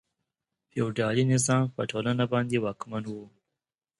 فیوډالي نظام په ټولنه باندې واکمن و.